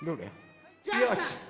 よし！